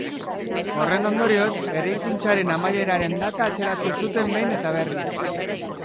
Horren ondorioz, eraikuntzaren amaieraren data atzeratu zuten behin eta berriz.